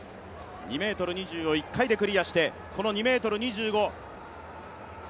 ２ｍ２０を１回でクリアして、この２ｍ２５。